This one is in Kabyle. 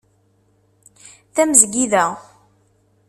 Tamezgida